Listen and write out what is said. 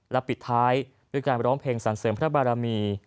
และปิดท้ายด้วยการร้องเพลงสรรเสริมพระบารมี